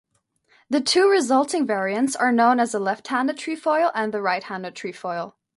The two resulting variants are known as the left-handed trefoil and the right-handed trefoil.